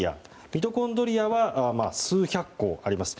ミトコンドリアは数百個あります。